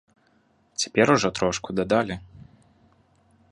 Цяпер ужо трошку дадалі.